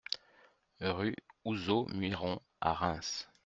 Rue Houzeau Muiron à Reims